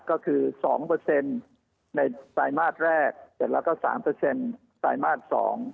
ก็คือ๒ในปลายมาตรแรกแล้วก็๓ปลายมาตร๒